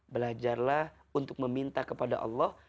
belajarlah untuk meminta kepada allah